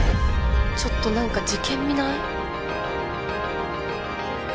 ちょっとなんか事件味ない？